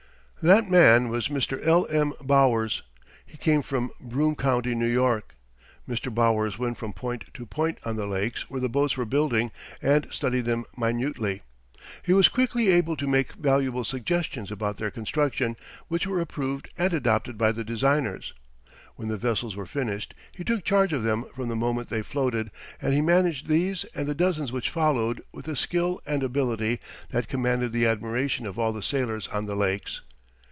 That man was Mr. L.M. Bowers; he came from Broome County, New York. Mr. Bowers went from point to point on the lakes where the boats were building, and studied them minutely. He was quickly able to make valuable suggestions about their construction, which were approved and adopted by the designers. When the vessels were finished, he took charge of them from the moment they floated, and he managed these and the dozens which followed with a skill and ability that commanded the admiration of all the sailors on the lakes.